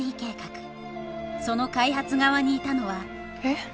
その開発側にいたのはえ？